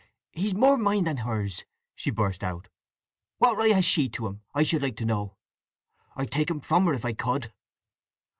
"He's more mine than hers!" she burst out. "What right has she to him, I should like to know! I'd take him from her if I could!"